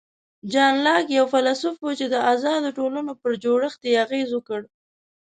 جان لاک یو فیلسوف و چې د آزادو ټولنو پر جوړښت یې اغېز وکړ.